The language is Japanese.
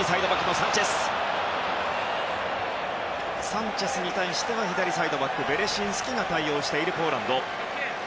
サンチェスに対しては左サイドバックベレシンスキが対応したポーランド。